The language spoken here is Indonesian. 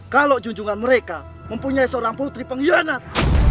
kalau junjungan mereka mempunyai seorang putri pengkhianat